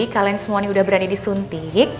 kalian semua udah berani disuntik